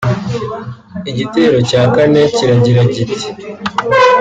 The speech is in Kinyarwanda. Igitero cya kane kiragira kiti